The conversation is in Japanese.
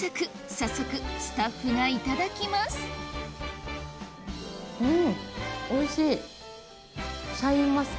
早速スタッフがいただきますうん。